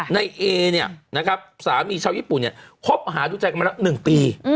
ในเอเนี่ยนะครับสามีชาวญี่ปุ่นเนี่ยคบหาดูใจกันมาแล้ว๑ปี